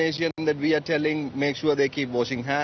pastikan mereka terus mencuci tangan dan lainnya untuk mencegahnya